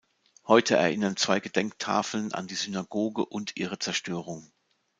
Heute erinnern zwei Gedenktafeln an die Synagoge und ihre Zerstörung.